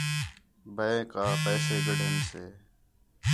بینک آ پیسے بھی گِدھین سے